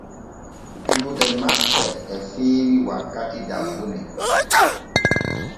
Juuɗe maɓɓ e feewi wakkati dabbune.